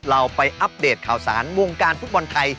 เราไปอัปเดตข่าวสารวงการฟุตบอลไทย